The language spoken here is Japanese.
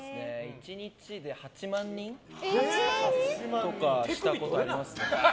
１日で８万人とかしたことありますね。